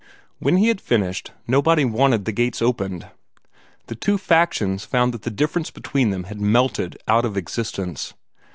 When he had finished, nobody wanted the gates opened. The two factions found that the difference between them had melted out of existence.